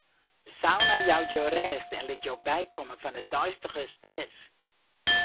De sauna jout jo rêst en lit jo bykomme fan de deistige stress.